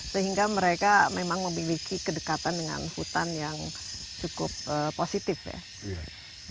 sehingga mereka memang memiliki kedekatan dengan hutan yang cukup positif ya